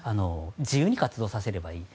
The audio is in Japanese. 自由に活動させればいい。